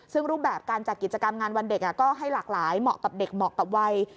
ซึ่งรูปแบบการจัดกิจกรรมงานวันเด็กก็ให้หลากหลายเหมาะกับเด็กเหมาะกับวัย